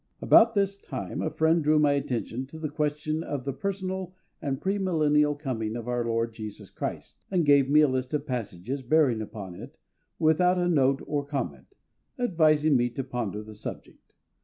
About this time a friend drew my attention to the question of the personal and pre millennial coming of our LORD JESUS CHRIST, and gave me a list of passages bearing upon it, without note or comment, advising me to ponder the subject.